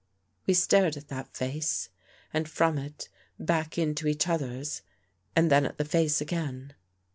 We stared at that face and from it back into each other's and then at the face again.